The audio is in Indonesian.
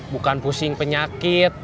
bukan pusing penyakit